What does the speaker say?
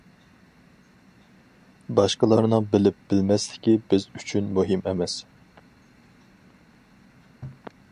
باشقىلارنىڭ بىلىپ، بىلمەسلىكى بىز ئۈچۈن مۇھىم ئەمەس.